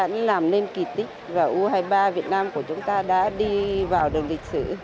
chúng ta đã làm lên kỳ tích và u hai mươi ba việt nam của chúng ta đã đi vào đường lịch sử